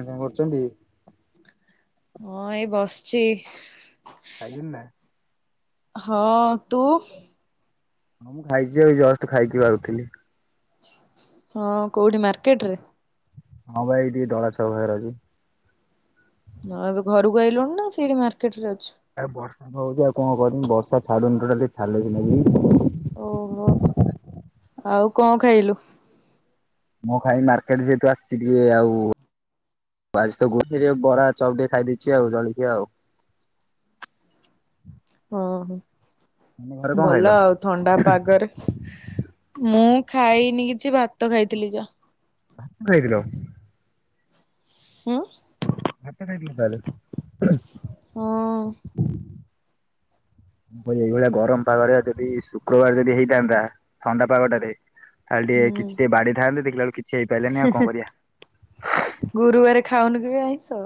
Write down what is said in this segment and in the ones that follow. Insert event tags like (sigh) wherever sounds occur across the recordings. ଆ କରୁଛନ୍ତି (unintelligible) ହଁ, ଏଇ ବସିଛି। ଖାଇଲିିନ ନା (unintelligible) ହଁ, ତୁ? ହଁ, ମୁଁ ଖାଇଛି। ଏ ଜଷ୍ଟ ଖାଇକି ବା ଉଠିଲି। ହଁ, କୋଉଠି ମାର୍କେଟ ରେ? ହଁ, ଭାଇ ଟିକେ ଡଳା ଛଅ ପାଖରେ ଅଛି। ହଁ ଏବେ ଘରକୁ ଆଇଲୁଣି ନା ସେଇଠି ମାର୍କେଟରେ ଅଛୁ? ଆ ବର୍ଷା ହଉଚି ଆଉ କଣ କରିବି ବର୍ଷା ଛାଡୁନି ଟୋଟାଲି ଛାଡିଲେ ସିନା ଯିବି। ଓହୋ ଆଉ କଣ ଖାଇଲୁ? ମୁଁ ଖାଇନି ମାର୍କେଟ୍ ଯେହେତୁ ଆସିଚି ଟିକେ ଆଉ ଆଜି ତ ଗୋଠରେ ବରା ଚପ୍ ଟିକେ ଖାଇଦେଇଚି ଆଉ ଜଳଖିଆ ଆଉ। ଓ ହୋ ତମେ ଘରେ କଣ ଖାଇଲ? ଭଲ ଆଉ ଥଣ୍ଡା ପାଗରେ ମୁଁ ଖାଇନି କିଛି ଭାତ ଖାଇଥିଲି ଯା। ଖାଇଥିଲ ହୁଁ? ଭାତ ଖାଇଥିଲୁ ହଁ ତାହାଲେ। ମୁଁ କହିଲି ଏଇଭଳିଆ ଗରମ ପାଗରେ ଯଦି ଶୁକ୍ରବାର ଯଦି ହେଇଥାନ୍ତା ଥଣ୍ଡା ପାଗଟାରେ ଖାଲି ଟିକେ ହୁଁ କିଛି ଟିକେ ବାଡେଇ ଥାନ୍ତେ ଦେଖିଲାବେଳୁ କିଛି ହେଇପାରିଲେନି ଆଉ କଣ କରିଆ। ଗୁରୁବାରେ ଖାଉନି କିବେ ଆଇଁଷ?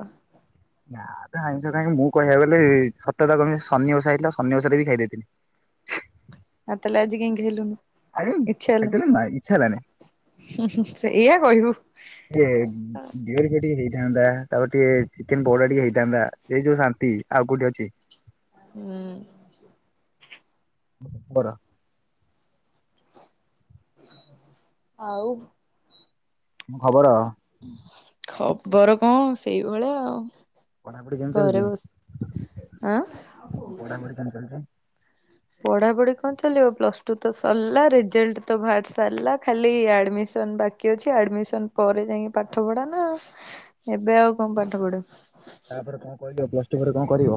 ନା ତ ଆଇଁଷ ଖାଇବି ମୁଁ କହିବାକୁ ଗଲେ ସତ କଥା କହିବି ଶନି ବସା ହେଇଥିଲା ଶନି ଓଷାରେ ବି ଖାଇ ଦେଇଥିନି। ଆ ତାହାଲେ ଆଜି କାଇଁ ଖାଇଲୁନି? ଆରେ ଇଛା ଆକ୍ଚୁଆଲି ନା ଇଚ୍ଛା ହେଲାନି ହେଲା ସେଇଆ କହିବୁ। ଇଏ ବିଅର ଫିଅର ଟିକେ ହେଇଥାନ୍ତା ତାପରେ ଟିକେ ଚିକେନ ପକୋଡା ଟିକେ ହେଇଥାନ୍ତା ସେଇ ଯୋଉ ଶାନ୍ତି ଆଉ କୋଉଠି ଅଛି। ହୁଁ। (unintelligible) ଆଉ କଣ ଖବର? ଖବର କଣ ସେଇଭଳିଆ ଆଉ। ପଢାପଢି କେମିତି ଘରେ ଚାଲିଛି ବସ ଆଁ? ଟେନସନ୍। ପଢା ପଢି କଣ ଚାଲିବ ପ୍ଲସ୍ ଟୁ ତ ସରିଲା ରେଜଲ୍ଟ ତ ବାହାରି ସାରାଲା ଖାଲି ଆଡମିସନ୍ ବାକି କି ଅଛି ଆଡମିସନ୍ ପରେ ଯାଇକି ପାଠ ପଢା ନା ଏବେ ଆଉ କଣ ପାଠ ପଢା। ତାପରେ କଣ କରିବ ପ୍ଲସ ଟୁ ପରେ କଣ କରିବ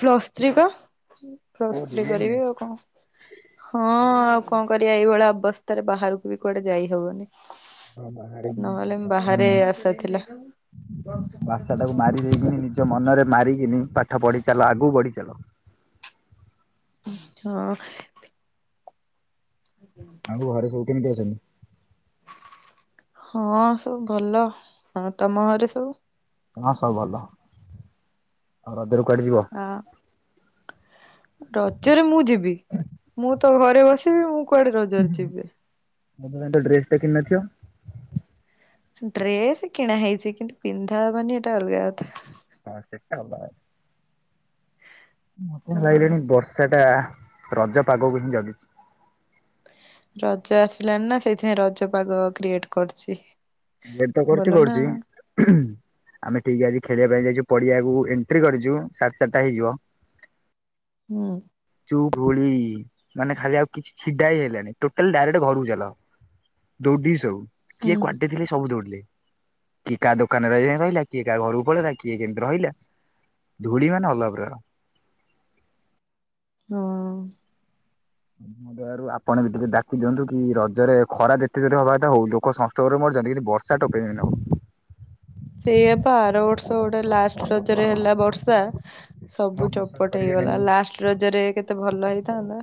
ପ୍ଲସ୍ ଥ୍ରୀ ପା ପ୍ଲସ୍ କୋଉଠି ଥ୍ରୀ ବିଏନ ରେ କରିବି ଆଉ କଣ। ହଁ ଆଉ କଣ କରିବା ଏଇଭଳିଆ ଅବସ୍ଥାରେ ବାହାରକୁ ବି କୁଆଡେ ଯାଇ ହବନି। ବାହାରେ ନହେଲେ ମ୍ ଦରକାର ବାହାରେ ନାହିଁ ଆସାଥିଲା। ଭାଷା (unintelligible) ନିଜ ମନରେ ମାରିକିନି ପାଠ ପଢି ଚାଲ ଆଗକୁ ବଢି ଚାଲ। ହଁ। ଆଉ ଘରେ ସବୁ କେମିତି ଅଛନ୍ତି? ହଁ ସବୁ ଭଲ ହଁ ତମ ଘରେ ସବୁ? ହଁ ସବୁ ଭଲ ଆଉ ରଜରେ କୁଆଡେ ଯିବ? ହଁ। ରଜରେ ମୁଁ ଯିବି ମୁଁ ତ ଘରେ ବସିବି ମୁଁ କୁଆଡେ ରଜରେ ଯିବି। ରଦ ପାଇଁ ତ ଡ୍ରେସ୍ ଟେ କିଣି ନଥିବ? ଡ୍ରେସ କିଣା ହେଇଚି କିନ୍ତୁ ପିନ୍ଧା ହବନି ହେଟା ଅଲଗା କଥା। ହଁ ସେଟା ଅଲଗା କଥା। ମତେ ହଁ ଲାଗିଲାଣି ବର୍ଷା ଟା ରଜ ପାଗକୁ ହିଁ ଜଗଚି। ରଜ ଆସିଲାଣି ନା ସେଇଥିପାଇଁ ରଜ ପାଗ କ୍ରିଏଟ କରୁଚି। କ୍ରୀଏଟ ତ କରୁଚି କରୁଚି ଆମେ ଠିକ ଆଜି ଖେଳିଆ ପାଇଁ ଯାଇଚୁ ପଡିଆକୁ ଏଣ୍ଟ୍ରି କରିଚୁ ସାଢ଼ ଚାରଟା ହେଇଯିବ ହୁଁ। ଯୋଉ ଘୁଳି ମାନେ ଖାଲି ଆଉ କିଛି ଛିଡା ହେଇ ହେଲାନି ଟୋଟାଲ ଡାଇରେକ୍ଟ ଘରକୁ ଚାଲ। ଦୌଡିକି ସବୁ ହୁଁ କିଏ କୁଆଡେ ଥିଲେ ସବୁ ଦୌଡିଲେ। କିଏ କା ଦୋକାନରେ ଇଏ ରହିଲା କିଏ କାହା ଘରକୁ ପଳେଇଲା କିଏ କେମିତି ରହିଲା। ଧୂଳି ମାନେ ଅଲଗା ପ୍ରକାର। (unintelligible) (inaudible) (unintelligible) ଆପଣ ବି ଟିକେ ଡାକି ଦିଅନ୍ତୁ କି ରଜରେ ଖରା ଯେତେ ଜୋରେ ହବା କଥା ହଉ ଲୋକ ସଂଷ୍ଟୋକ ରେ ମରୁଚନ୍ତି କିନ୍ତୁ ବର ଷା ଟୋପେ ବି ନହଉ। ସେଇଆ ପା ଆର ବର୍ଷ ଗୋଟେ ଲାଷ୍ଟ ରଜରେ ହେଲା ବର୍ଷା ସବୁ ଆଉ ବିଶ୍ୱାସ ଚୋପଟ କରିବେ ହେଇଗଲା ନାହିଁ ଲାଷ୍ଟ ରଜରେ କେତେ ଭଲ ହେଇଥାନ୍ତା।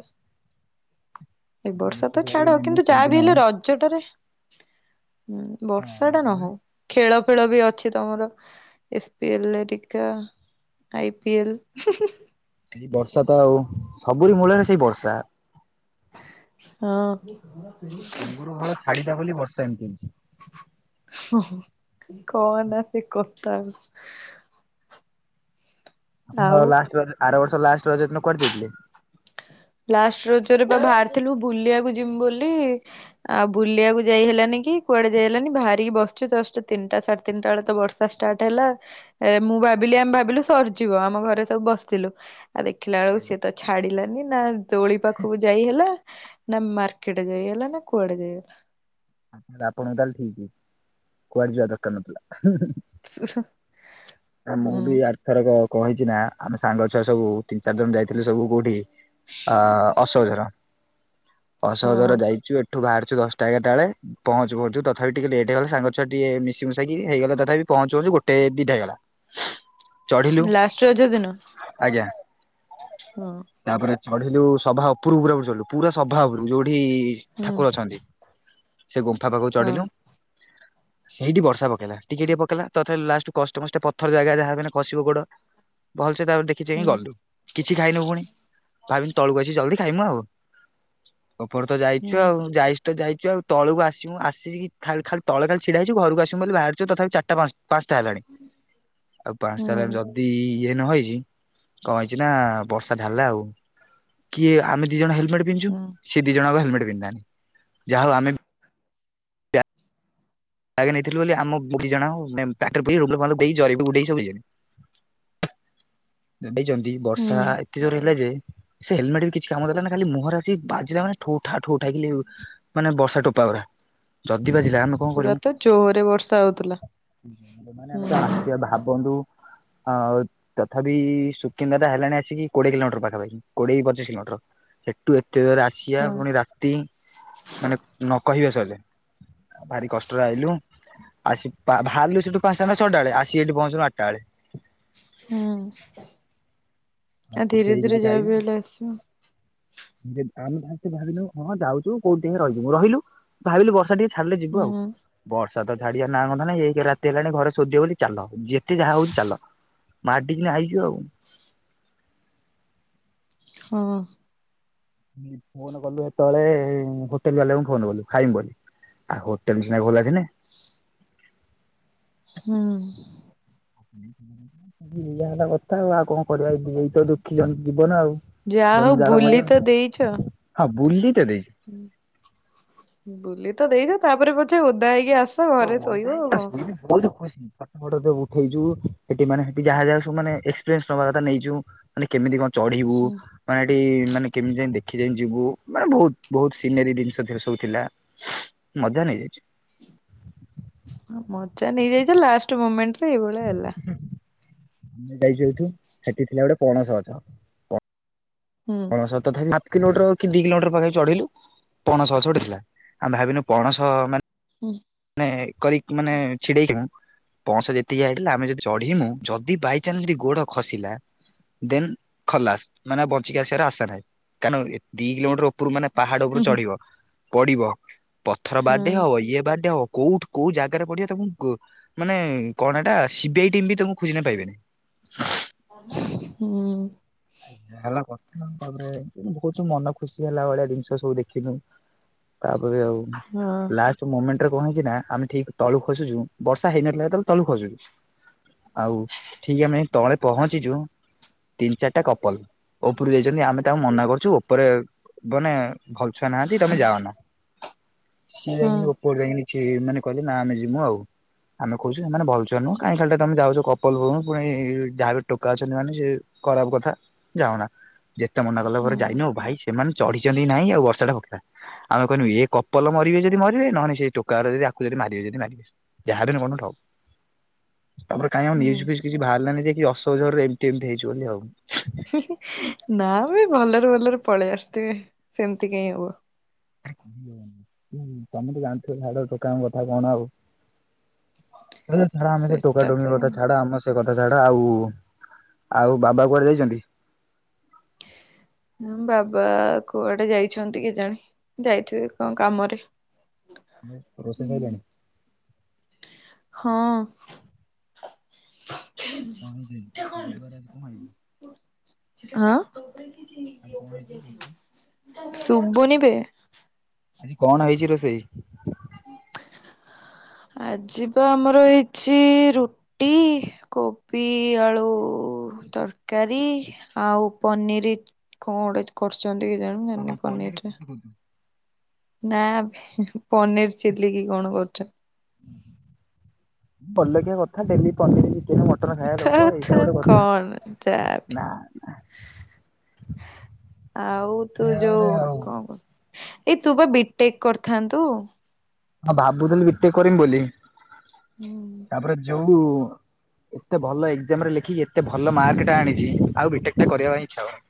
ଏ ଆପଣ ବର୍ଷା ତ ବିଶ୍ଵାସ କରିବେ ଛାଡ ନାହିଁ ମୁଁ କିନ୍ତୁ ଯାହା ସେଇଦିନ ବି ହେଲେ ରଜଟାରେ ହୁଁ ହଁ ବର୍ଷା ଟା ନ ରଜରେ ହଉ ଖେଳ ଖେଳ ବି ଅଛି ତମର ଏସ୍ପିଏଲ ଟିକା ଆଇପିଏଲ। ସେଇ ବର୍ଷା ତ ଆଉ ସବୁରି ମୂଳରେ ସେଇ ବର୍ଷା। ହଁ। ଛାଡ଼ିଦା ବୋଲି ବର୍ଷା ଏମିତି ହଉଚି। ହୁଁ, ହୁଁ କଅନା ସେ କଥା ଆଉ। ଆପଣ ଆଉ ଲାଷ୍ଟ ରଜ ଆର ବର୍ଷ ଲାଷ୍ଟ ରଜ ଦିନ କୁଆଡ଼େ ଯାଇଥିଲେ? ଲାଷ୍ଟ ରଜରେ ବା ବାହାରିଥିଲୁ ବୁଲିଆକୁ ଯିମୁ ବୋଲି ଆଉ ବୁଲିଆକୁ ଯାଇ ହେଲାନି କି କୁଆଡ଼େ ଯାଇ ହେଲାନି ବାହାରିକି ବସିଚୁ ଜଷ୍ଟ ତିନିଟା ସାଢେ ତିନିଟା ଏଳେ ତ ବର୍ଷା ଆ ଷ୍ଟାର୍ଟ ହେଲା ଏ ମୁଁ ଭାବିଲି ଆମେ ଭାବିଲୁ ସରିଯିବ ଆମ ଘରେ ସବୁ ବସିଥିଲୁ। ଆଉ ଦେଖିଲା ଆଳକୁ ସିଏ ତ ଛାଡି଼ଲାନି। ନା ଦୋଳି ପାଖକୁ ଯାଇ ହେଲା ନା ମାର୍କେଟ ଯାଇ ହେଲା ନା କୁଆଡ଼େ ଯାଇ ହେଲା। ଆପଣଙ୍କୁ ତାହଲେ ଠିକି କୁଆଡ଼େ ଯିବା ଦରକାର ନଥିଲା। ଆମ କୁ ହୁଁ ବି ଆର ଥର କ ହେଇଚି ନା ଆମେ ସାଙ୍ଗ ଛୁଆ ସବୁ ତିନି ଚାରି ଜଣ ଯାଇଥିଲୁ ସବୁ କୋଉଠି ଅ ଅସୋହଝର, ଅସୋହଝର ହଁ। ଯାଇଚୁ ଏ ତୁ ବାହାରିଚୁ ଦଶଟା ଏଗାରଟା ବେଳେ ପହଞ୍ଚୁ ପହଞ୍ଚୁ ତଥାପି ଟିକେ ଲେଟ ହେଇଗଲା ସାଙ୍ଗଛୁଆ ଟିକେ ମିଶି ମୁସାକି ହେଇଗଲା ତଥାପି ପହଞ୍ଚୁ ପହଞ୍ଚୁ ଗୋଟେ ଦିଟା ହେଇଗଲା। (inaudible) ଚଢିଲୁ ଲାଷ୍ଟ ରଜ ଦିନ। ଆଜ୍ଞା। ହଁ। ତାପରେ ଚଢିଲୁ ସଭା ଉପରୁ କୁ ପୁରା ପୁରି ଚଢିଲୁ ପୁରା ସଭା ଉପରୁ ଯୋଉଠି ହୁଁ ଠାକୁର ଅଛନ୍ତି। ସେ ଗୁମ୍ଫା ପାଖକୁ ହଁ ଚଢିଲୁ। ସେଇଠି ବର୍ଷା ପକେଇଲା ଟିକେ ଟିକେ ପକେଇଲା ତଥାପି ଲାଷ୍ଟ କଷ୍ଟମଷ୍ଟେ ପଥର ଜାଗା ଯାହା ବି ମାନେ ଖସିବ ଗୋଡ। ଭଲସେ ତା କିଛି ଯେଇଁ ହୁଁ ଗଲୁ କିଛି ଖାଇନୁ ପୁଣି ଭାବିଲି ତଳୁକୁ ଆସି ଜଲଦି ଖାଇମୁଁ ଆଉ। ଉପର ତ ଯାଇଚୁ ହୁଁ। ଆଉ ଯାଇଚୁ ତ ଯାଇଚୁ ଆଉ। ତଳକୁ ଆସିମୁ ଆସି ଖା ଖାଲି ତଳେ ଖାଲି ଛିଡା ହେଇଚୁ ଘରକୁ ଆସିମୁ ବୋଲି ବାହାରିଚୁ ତଥାପି ଚିରିଟା ପାଞ୍ଚ ପାଞ୍ଚଟା ହେଲାଣି ଆଉ ପାଞ୍ଚଟା ହେଲା ହୁଁ ଯ ଦି ଇଏ ନହେଇଚି କଣ ହେଇଚି ନା ବର୍ଷା ଢଳିଲା ଆଉ। କିଏ ଆମେ ଦି ଜଣ ହେଲେମେଟେ ପିନ୍ଧଛୁ ହୁଁ ସେ ଦି ଜଣଙ୍କ ହେଲେମେଟେ ପିନ୍ଧିନାହାନ୍ତି ଯାହାହଉ ଆମେ। ନେଇଥିଲୁ ବୋଲି ଆମ ଦୁି ଜଣ ଜିବେଇବ (unintelligible) ଦେଇଛନ୍ତି ହୁଁ ବର୍ଷା ଏତେ ଜୋରେ ହେଲା ଯେ ସେ ହେଲମେଟ ବି କିଛି କାମ ଦେଲାନି ଖାଲି ମୁହଁରେ ଆସି ବାଜିଲା ମାନେ ଠୋ ଠା ଖାଲି ମାନେ ବର୍ଷା ଟୋପାଉରା। ଆମେ ଯଦି ବାଜିଲା କଣ ପୁରା କରିବୁ ତ ଜୋରରେ ବର୍ଷା ହଉଥିଲା। ମାନେ ହୁଁ ଆମେ ତ ଆସିବା ଭାବନ୍ତୁ ହଁ ଆଉ ତଥାପି ସୁକିନ୍ଦାଟା ହେଲାଣି ଆସିକି କୋଡିଏ କିଲୋମିଟର ପାଖାପାଖି। କୋଡିଏ କି ପଚିଶ କିଲୋମିଟର। ସେଠୁ ଏତେ ଜୋରେ ଆସି ଅଖିଆ ହଁ ପୁଣି ରାତି ମାନେ ନ କହିବା ସହିଲେ ଭାରି କଷ୍ଟ। ଆଇଲୁଆସି ବାହାରିଲୁ ସେଠୁ ପାଞ୍ଚଟା ଛଟା ବେଳେ ଆସିିକି ଏଠି ପହଞ୍ଚିଲୁ ଆଟାବେଳେ। ହୁଁ ଧୀରେ କେହି ଧୀରେ କିଛି ଯାହା ଖାଇନୁ ବି ହେଲେ ଆସିବ। ଆମେ ତା ଭାବିନୁ ହଁ ଯାଉଛୁକୋଉଠି ରହିଯିବୁ ରହିଲୁ ଭାବିଲୁ ବର୍ଷା ଟିକେ ଛାଡିଲେ ଯିବୁ ଆଉ। ହୁଁ ବର୍ଷା ତଛାଡିବା ନାଁ ଗନ୍ଧ ନାଇଁ ଏକେରେ ରାତି ହେଲାଣି ଘରେ ସୋଧିବ ବୋଲି ଚାଲ ଯେତେ ଯାହା ହଉଛି ଚାଲ। ମାଡ଼ି କିନା ଆଇଚୁ ଆଉ। ହଁ। ଫୋନ କଲୁ ଏତେବେଳେ ହୋଟେଲ ବାଲାଙ୍କୁ ଫୋନ କଲୁ ଖାଇମୁ ବୋଲି। ଆଉ ହୋଟେଲ ସିନା ଖୋଲା ଥିଲେ। ହୁଁ। ଏଇଆ ହେଲା କଥା ଆଉ ଆଉ କଣ କରିବା ଏଇତ ଦୁଃଖୀ ଜୀବନ ଆଉ। ଯାହା ହଉ ଜଞ୍ଜାଳମୟ ବୁଲି ତ ଦେଇଛ। ହଁ ବୁଲି ତ ଦେଇଛି। ବୁଲି ତ ଦେଇଛ ତାପରେ ପଛେ ଓଦା ହେଇକି ଆସ ହଁ ଘରେ ଶୋଇବ ଆଉ କଣ। ବଧାୁ ବହୁତ ଖୁସି (unintelligible) ପାଠ ପଢା ଜୋ ଉଠେଇଜୁ ସେଠି ମାନେ ସେଠି ଯାହା ଯାହା ସବୁ ମାନେ ଏକ୍ସପେରିଏନ୍ସ ନେବା କଥା ନେଇଚୁ। ମାନେ କେମିତି କଣ ଚଢିବୁ? ହୁଁ। ମାନେ ଏଠି ମାନେ କେମିତି ଯାଇ ଦେଖି ଚାହିଁ ଯିବୁ ମାନେ ବହୁତ ବହୁତ ସିନେରୀ ଜିନିଷ ସେଥିରେ ସବୁ ଥିଲା। ମଜା ନେଇଯାଇଛି। ମଜା ନେଇଯାଇଛ ଲାଷ୍ଟ ମୋମେଣ୍ଟ ରେ ଏଇଭଳିଆ ହେଲା। ଆମେ ଯାଇ ଯାଉଛୁ ଏଠୁ ସେଠି ଥିଲା ଗୋଟେ ପଣସଗଛ। ହୁଁ ତଥାପି ହାପ କିଲୋଟର କି ଦି କିଲୋ ମିଟର ପାଖା ପାଖି ଚଢ଼ିଲୁ। ପଣସ ଗଛଗୋଟେ ଥିଲା। ଆମେ ଭାବିନୁ ପଣସମା ହୁଁ। ମାନେ କରିକି ମାନେ ଛିଡ଼େଇକି ଆଣୁ। ପଣସ ଯେତିକି ଆଇଥିଲା ଆମେ ଯଦି ଚଢିମୁ ଯଦି ବାଇଚାନ୍ସ ଗୋଡ ଖସିଲା। ଦେନ ଖଲାସ ମାନେ ବଞ୍ଚିକି ଆସିବାର ଆଶା ନାହିଁ କାରଣ କିଲୋମିଟର। ଉପରୁ ମାନେ ପାହାଡ ଉପରୁ ହୁଁ ହୁଁ ଚଢିବ। ପଡିବ ପଥର ହଁ ବାଟେ ହବ ଇଏ। କୋଉ ଠୁ କୋଉ ଜାଗାରେ ପଡିବ ତାକୁ ମାନେ କଣ ହେଟା ସିବିଆଇ ଟିମ ବି ତମକୁ ଖୋଜିଲେ ପାଇବେନି। ହୁଁ ଆଜ୍ଞା। (unintelligible) ହେଲା କଥା ନା ତାପରେ ବହୁତ ମନ ଖୁସି ହେଲା ଭଳିଆ ଜିନିଷ ସବୁ ଦେଖଲୁ। ତାପରେ ଆଉ ହୁଁ ଲାଷ୍ଟ ମୋମେଣ୍ଟ ରେ କଣ ହେଇଛି ନା ଆମେ ଠିକ ତଳୁ ଖସୁଛୁ ବର୍ଷା ହେଇନଥିଲା ସେତେବେଳେ ତଳୁ ଖସୁଛୁ। ଆଉ ଠିକ ଆମେ ତଳେ ପହଞ୍ଚିଛୁ। ତିନି ଚାରିଟା କପଲ ଉପରୁ ଯାଇଛନ୍ତି ଆମେ ତାଙ୍କୁ ମନା କରୁଛୁ ଉପରେ ମାନେ ଭଲଛଆ ନାହାନ୍ତି ତମେ ଯାଅ ନା। ହଁ ହଁ ଓଲେଇନି ଛେ ମାନେ କହିଲେ ନା ଆମେ ଜମୁ ଆଉ। ଆମେ କହୁଛେ ସେମାନେ ଭଲଛୁଆ ନୁହେଁ କାହିଁ ଖାଲିଟା ତମେ ଯାଉଛ କପଲ ପୁଣି ଯାହାବି ଟୋକ ଅଛନ୍ତି ମାନେ ସେ ଖରାପ କଥା ଯାଅନା। ଯେତେ ମନା କଲା ପରେ ହଁ। ଯାଇନ ଭାଇ ସେମାନେ ଚଢିଛନ୍ତି ନାଇଁ ଆଉ ବର୍ଷା ଟା ହୋଉଥିଲା। ଆମେ କହିନୁ ଏ କପଲ ମରିବେ ଯଦି ମରିବେ ନହନେ ସେ ସେ ଟୋକା ଓରା ଯଦି ଆଙ୍କୁ ଯଦି ମାରିବେ ଯଦି ମାରିବେ। ଯାହା ବି କଣ ଗୋଟେ ହ ତା ପରେ କାଇଁ ଆଉ ହୁଁ। ନ୍ୟିୟୁଜ୍ ଫ୍ୟିୟୁଜ୍ କିଛି ବାହାରି ଲାନି ଯେ କି ଅସକଝର ରେ ଏମିତି ଏମିତି ହେଇଛି ବୋଲି ଆଉ। ହୁଁ ହୁଁ ନା ବେ ଭଲରେ ଭଲରେ ପଳେଇ ଆସିଥିବେ ସେମିତି କହିଁ ହବ। ତମେ ତ ଜାଣିଥିଲ ଝାଡୁଆ ଟୋକାଙ୍କ କଥା କଣ ଆଉ। ହେ ଛାଡ ଆମେ ସେ ଟୋକା ସେଟା ତ ଟୋକିଙ୍କ କଥା ଛାଡ ଆମର ସେ ସେ କଥା ଛାଡ। ଆଉ ଆଉ ବାବା କୁଆଡେ ଯାଇଛନ୍ତି? ହୁଁ ବାବା କୁଆଡେ ଯାଇଛନ୍ତି କେଜାଣ ଯାଇଥିବେ କଣ କାମରେ। ଆଉ ରୋଷେଇ ସଇଲାଣି? ହଁ ପହଞ୍ଚି ଛିବି ତୁ ଗୁରୁବାର ଆଜି କଁ ପାଇଁ ଆଇଲୁ? ଆଁ ଆଜି କଣ ହେଇଛି ରୋଷେଇ? ଶୁବୁନିବେ। ଆଜି କଣ ହେଇଛି ରୋଷେଇ? (inaudible) ଆଜି ବା ଆମର ହେଇଛି ରୁ ଟି କୋବି ଆଳୁ ତରକାରୀ ଆଉ ପନିରି କଣ ଗୋଟେ କରୁଛନ୍ତି କେ ଜାଣି ମୁଁ ହଁ ହଁ ଜାଣିନି ପନିର ପନିରରେ। ଫୁଟି କହୁଛୁ। ନା ପନିର ଚିଲ୍ଲି କି କଣ କରୁଛନ୍ତି। ବଡ ଲୋକିଆ କଥା daily paneer chicken mutton ଖାଇବା ଥୁ ଲୋକ ଥୁ ଏଇଟା ଗୋଟେ କଥା। କଣ ଯାହା ବି ନା ନା ଆଉ ତୁ ଯୋଉ ଆଉ କଣ କ ଏଇ ତୁ ବା ବିଟେକ୍ କରିଥାନ୍ତୁ? ହଁ ଭାବୁଥିଲ ବିଟେକ୍ କରିମି ବୋଲି ତାପରେ ଯୋଉ ଏତେ ଭଲ ଏକ୍ଜାମ ରେ ଲେଖିକି ଏତେ ଭଲ ମାର୍କଟା ଆଣିଛି ଆଉ ବିଟେକ ଟା କରିବା ପାଇଁ ଇଚ୍ଛା ହଉନି।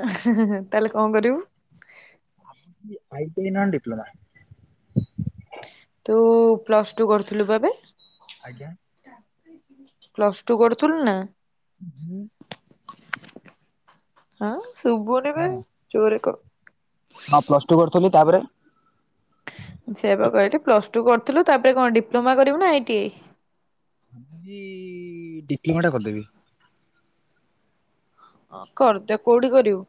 ତାହେଲେ କଣ କରିବୁ? ଆଇ ଟି ଆଇ ନହନେ ଡିପ୍ଲୋମା। ତୁ ପ୍ଲସ ଟୁ କରୁଥୁଲୁ ବା ବେ। ଆଜ୍ଞା ପ୍ଲସ ଟୁ କରୁଥୁଲୁ ନା? ହୁଁ? ହଁ ସୁବୁନି ବେ ହଁ। ଜୋରେ କହ। ହଁ ପ୍ଲସ ଟୁ କରୁଥିଲି ତାପରେ? ସେ ବା କହିଲି ପ୍ଲସ ଟୁ କରୁଥୁଲୁ ତାପରେ କଣ ଡିପ୍ଲୋମା କରିବୁ ନା ଆଇଟି ଆଇ? ଚି ଡିଟିମାଟା କରିଦେବି। ହଁ କରିଦେ। କୋଉଠି କରିବୁ?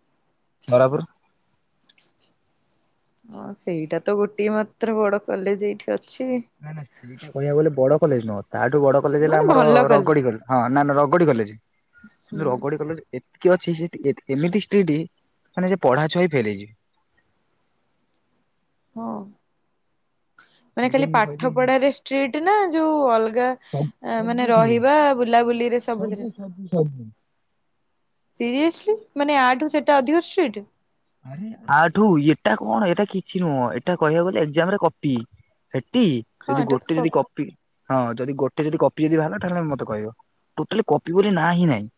ତରାପୁର ହଁ ସେଇଟା ତ ଗୋଟଏ ମାତ୍ର ବଡ କଲେଜ୍ ଏଇଠି ଅଛି। ନାଇଁ ନାଇଁ ସେଇଟା କହିବାକୁ ଗଲେ ବଡ କଲେଜ୍ ନୁହଁ। ତା ଠୁ ବଡ କଲେଜ୍ ହେଲା ମାନେ ଆମର ଭଲ କଲେ ରଗଡି କଲେଜ। ହଁ ନା ନା ରଗଡି କଲେଜ୍ କିନ୍ତୁ ହୁଁ ରଗଡି କଲେଜ୍ ଏତିକି ଅଛି ସେ ଏମିତି ସ୍ତ୍ରୀଟି ମାନେ ସେ ପଢା ଛୁଆ ବା ଫେଲ୍ ହେଇଯିବେ। ହଁ ମାନେ ଖାଲି ସେଇଥିପାଇଁ ମୁଁ କହିଲି ପାଠ ପଢାରେ ଷ୍ଟ୍ରିଟ୍ ନା ଯୋଉ ଅଲଗା ସବୁ ଆ ମାନେ ରହିବା ବୁଲାବୁଲିରେ ସବୁଥିରେ। ସବଜି ସବଜି (inaudible) ସିରିଏସ୍ ଲି ମାନେ ଆଠୁ ସେଟା ଅଧିକ ଷ୍ଟ୍ରିଟ୍? ଆଠୁ ଏଟା କଣ ଏଟା କିଛି ନୁହଁ ଏଟା କହିବାକୁ ଗଲେ ଏକଜାମ୍ ରେ କପି। ସେଟି ହଁ ସେଟି ଏଟା ତ ଗୋଟେ କ ହୁଁ ଯଦି କପି ହଁ ଯଦି ଗୋଟେ ଯଦି କପି ଯଦି ବାହାରିଲା ତାହଲେେ ମତେ କହିବ ଟୋଟାଲି କପି ବୋଲି ନାଁ ହିଁ ନାଇଁ।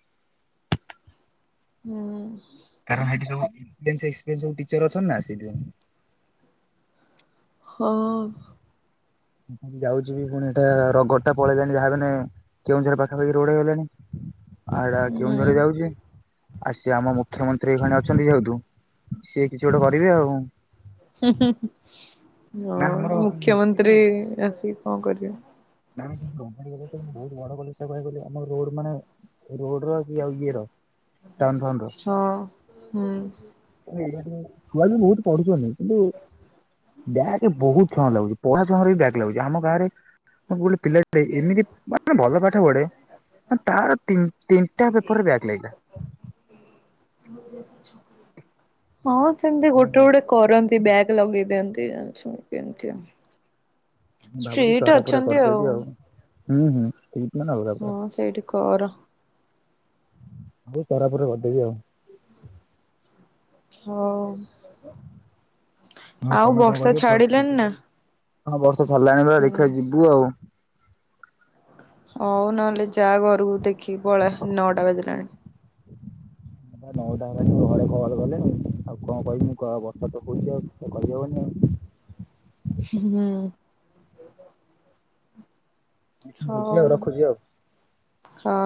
ହୁଁ। କାରଣ ଏଠି ସବୁ (inaudible) ଟିଚ୍ ର ଅଛ୍ ନା ସେଇଥିପାଇଁ। ହ। ଯାଉଚି ବି ପୁଣି ଏଟା ରଗ୍ ଟା ପଳେଇ ଲାଣି ଭାବେନା। କେଉଁଝର ପାଖାପାଖି ରୋଡ୍ ହେଇଗଲାଣି ଆଡା ହୁଁ କେଉଁଝର ରେ ଯାଉଚି। ଆ ସିଏ ଆମ ମୁଖ୍ୟମନ୍ତ୍ରୀ ଏଇଖଣି ଅଛନ୍ତି ଯେହେତୁ ସିଏ କିଛି ଗୋଟେ କରିବେ ଆଉ। ନା ହଁ ଆମର କିନ୍ତୁ ମୁଖ୍ୟମନ୍ତ୍ରୀ ଆସି କଁ କରିବେ। ବହୁତ ବଡ ପା କହିଗଲେ (inaudible) ଆମ ରୋଡ୍ ମାନେ ରୋଡ୍ ର ସିଏ ଆଉ ଇଏର ଟନ୍ ଫନ୍ ର। ହଁ ହୁଁ। ଛୁଆ ବି ବହୁତ ପଢୁଚନ୍ତି କିନ୍ତୁ ବ୍ୟାକ୍ ବହୁତ ଛୁଆଙ୍କର ଲାଗୁଚି। ପଢା ସମୟରେ ବି ବ୍ୟାକ୍ ଲାଗୁଚି ଆମ ଗାଁରେ ଗୋଟେ ପିଲାଟେ ଏମିତି ମାନେ ଭଲ ପାଠ ପଢେ ତାର ତିନି ତିନିଟା ପେପର ବ୍ୟାକ୍ ଲାଗିଲା। ହ (unintelligible) ହଁ ସେମିତି ଗୋଟେ ଗୋଟେ କରନ୍ତି ବ୍ୟାକ୍ ଲଗେଇ ଦିଅନ୍ତି ଏମ୍ ତି ସେମିତି ଏମତି ଆ। ଭାବୁଚି ତରା ପୁର କରିଦେବି ଆଉ। ହୁଁ ହୁଁ (inaudible) ସେ କିତମା ନ ହଲଗ ପ ହଁ ସେଇଠି କର ହଉ ତରାପୁରୁ ରେ କରିଦେବି ଆଉ। ହଉ ଆଉ ତମେ କଣ ବର୍ଷା କରିବ ପ୍ଲସ ଥ୍ରୀ ଛାଡିଲଣିି ନା? ହଁ ବର୍ଷା ଛାଡିଲାଣି ବା ହଁ। ଦେଖିଆ ଯିବୁ ଆଉ। ହଉ ନହେଲେ ଯା ଘରକୁ ଦେଖିକି ପଳା ନଅଟା ବାଜିଲାଣି। ନଅଟା ହେଲାଣି ଘରେ କବାଟ ଦେଲେଣି ଆଉ କଁ କହିବି ମୁଁ କହ ବର୍ଷା ତ ହଉଚି ଆଉ କିଛି ତ କହିହବନି ଆଉ। ହୁଁ। ହଉ ଝିଅ ରଖୁଚି ଆଉ। ହଁ